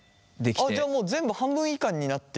あっじゃあもう全部半分以下になっていく。